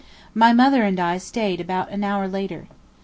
My mother and I staid about an hour later.